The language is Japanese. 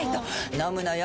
飲むのよ